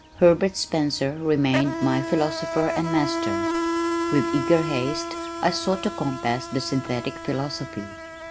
Herbert Spencer remained my philosopher and master. With eager haste I sought to compass the "Synthetic Philosophy."